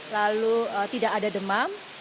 lalu tidak ada demam